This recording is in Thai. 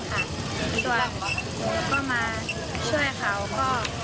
ตอนหนูก็มาช่วยเขาก็